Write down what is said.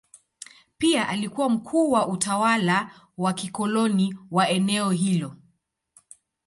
Pia alikuwa mkuu wa utawala wa kikoloni wa eneo hilo.